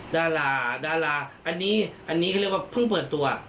ดาราอันนี้เขาเรียกว่าเพิ่งเปิดตัว